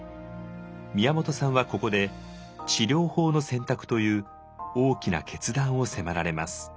宮本さんはここで治療法の選択という大きな決断を迫られます。